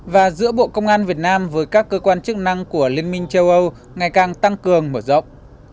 và giữa bộ công an việt nam với các cơ quan chức năng của liên minh châu âu ngày càng tăng cường mở rộng